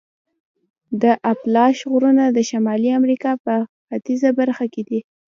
د اپالاش غرونه د شمالي امریکا په ختیځه برخه کې دي.